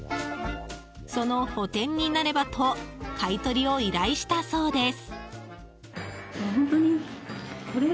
その補填になればと買い取りを依頼したそうです。